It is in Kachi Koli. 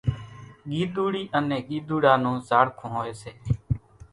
ڳيۮوڙِي انين ڳيۮوڙا نون زاڙکون هوئيَ سي۔